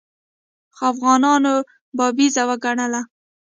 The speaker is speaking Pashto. خو افغانانو بابیزه وګڼله.